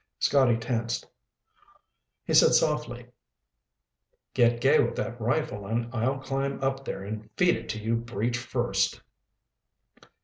Scotty tensed. He said softly, "Get gay with that rifle and I'll climb up there and feed it to you breech first."